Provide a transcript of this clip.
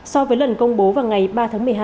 so với lần công bố vào ngày ba tháng một mươi hai